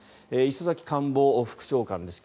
磯崎官房副長官です。